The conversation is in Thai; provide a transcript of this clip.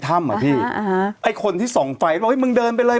อ่ะพี่อ่าฮะไอ้คนที่ส่องไฟว่าเฮ้มึงเดินไปเลย